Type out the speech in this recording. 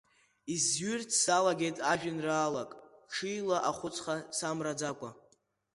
Изҩырц салагеит ажәеинраалак, ҽеила ахәыцха самраӡакәа.